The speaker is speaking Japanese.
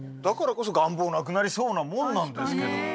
だからこそ願望なくなりそうなもんなんですけど。